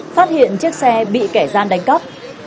phát hiện chiếc xe bị kẻ gian đánh cắp